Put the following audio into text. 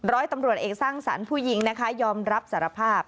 ร้อยตำรวจเอกสร้างสรรค์ผู้หญิงนะคะยอมรับสารภาพ